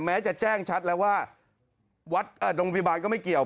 แม้จะแจ้งชัดแล้วว่าวัดโรงพยาบาลก็ไม่เกี่ยว